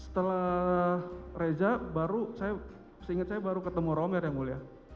tidak saya ingat saya baru ketemu romel ya mulia